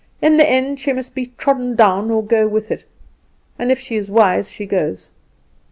In the end she must be trodden down or go with it; and if she is wise she goes.